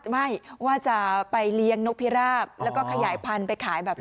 ไม่ว่าจะไปเลี้ยงนกพิราบแล้วก็ขยายพันธุ์ไปขายแบบ